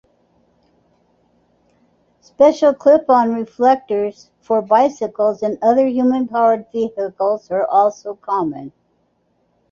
Special 'clip-on' reflectors for bicycles and other human-powered vehicles are also common.